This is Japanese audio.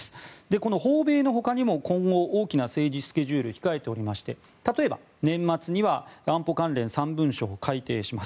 この訪米のほかにも今後大きな政治スケジュールが控えておりまして例えば年末には安保関連３文書を改定します。